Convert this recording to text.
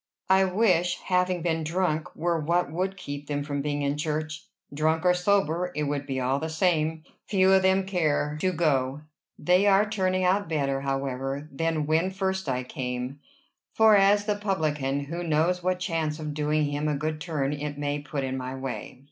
"I wish having been drunk were what would keep them from being in church. Drunk or sober, it would be all the same. Few of them care to go. They are turning out better, however, than when first I came. As for the publican, who knows what chance of doing him a good turn it may put in my way?"